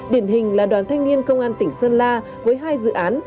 điển hình là đoàn thanh niên công an tỉnh sơn la với hai dự án